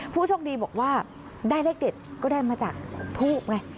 ผู้โชคดีบอกว่าได้เลขเด็ดก็ได้มาจากทูบไง